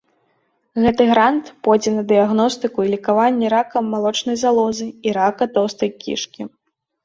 Гэты грант пойдзе на дыягностыку і лекаванне рака малочнай залозы і рака тоўстай кішкі.